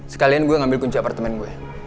sekalian gue ngambil kunci apartemen gue